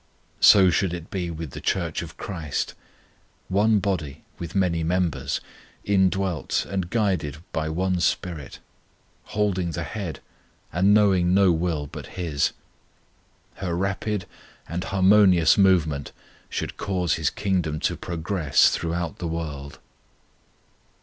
So should it be with the Church of CHRIST; one body with many members, indwelt and guided by one SPIRIT; holding the HEAD, and knowing no will but His; her rapid and harmonious movement should cause His kingdom to progress throughout the world.